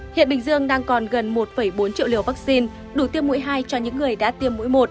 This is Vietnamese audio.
hiện bình dương đang còn gần một bốn triệu liều vaccine đủ tiêm mũi hai cho những người đã tiêm mũi một